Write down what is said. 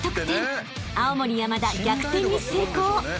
［青森山田逆転に成功］